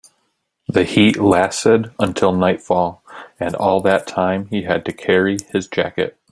The heat lasted until nightfall, and all that time he had to carry his jacket.